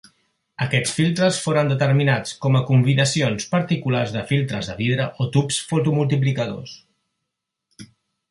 Aquests filtres foren determinats com a combinacions particulars de filtres de vidre o tubs fotomultiplicadors.